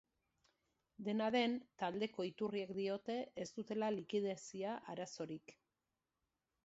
Dena den, taldeko iturriek diote ez dutela likidezia arazorik.